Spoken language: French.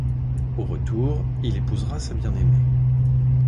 Au retour, il épousera sa bien-aimée.